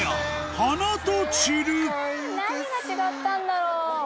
花と散る何が違ったんだろう？